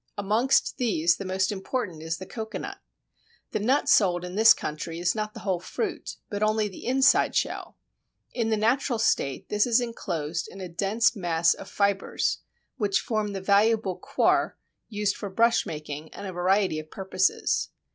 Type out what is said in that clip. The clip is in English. Amongst these the most important is the Cocoanut. The nut sold in this country is not the whole fruit, but only the inside shell. In the natural state this is enclosed in a dense mass of fibres, which form the valuable "coir" used for brushmaking and a variety of purposes.